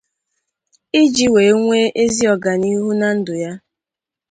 iji wee nwe ezi ọganihu na ndụ ha